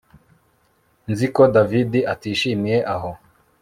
Nzi ko David atishimiye aho